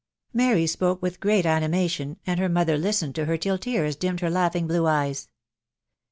Mary spoke with great animation, and her mother listened to her till tears dimmed her laughing blue eyes.